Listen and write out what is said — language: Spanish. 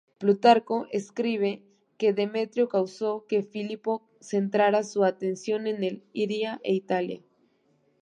Plutarco escribe que Demetrio causó que Filipo centrara su atención en Iliria e Italia.